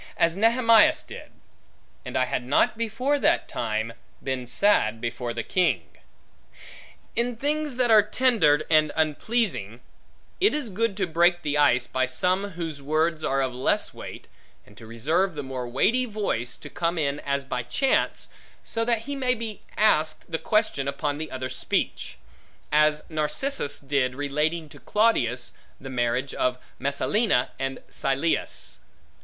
As Nehemias did; And I had not before that time, been sad before the king. In things that are tender and unpleasing, it is good to break the ice, by some whose words are of less weight, and to reserve the more weighty voice, to come in as by chance, so that he may be asked the question upon the other's speech: as Narcissus did, relating to Claudius the marriage of Messalina and Silius.